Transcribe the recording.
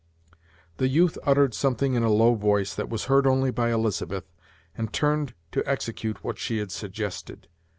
The youth uttered something in a low voice, that was heard only by Elizabeth, and turned to execute what she had suggested.